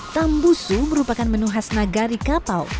tambusu merupakan menu khas nagari kapau